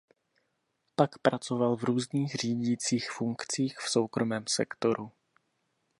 Pak pracoval v různých řídících funkcích v soukromém sektoru.